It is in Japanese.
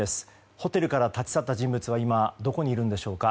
ホテルから立ち去った人物は今、どこにいるのでしょうか。